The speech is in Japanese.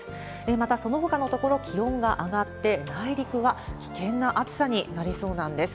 また、そのほかの所も気温が上がって、内陸は危険な暑さになりそうなんです。